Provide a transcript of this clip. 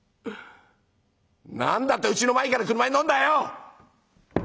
何だってうちの前から俥に乗んだよ！」。